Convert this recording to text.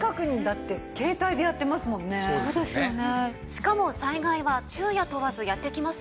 しかも災害は昼夜問わずやって来ますよね。